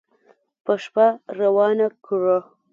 په شپه روانه کړه